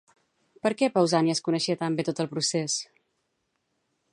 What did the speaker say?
Per què Pausànies coneixia tan bé tot el procés?